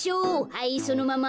はいそのまま。